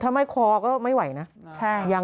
ถ้าไม่คอก็ไม่ไหวนะ